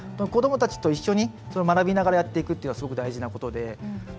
子どもたちと一緒に学びながらやっていくというのがすごく大事なことで。